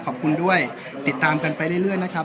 ขอบคุณด้วยติดตามกันไปเรื่อยนะครับ